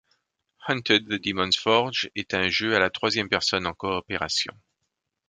Hunted: The Demon's Forge est un jeu à la troisième personne en coopération.